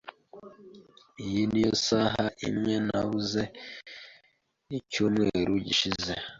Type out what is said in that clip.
Iyi niyo saha imwe nabuze icyumweru gishize .